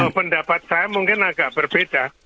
kalau pendapat saya mungkin agak berbeda